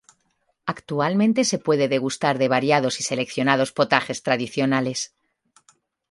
Actualmente se puede degustar de variados y seleccionados potajes tradicionales.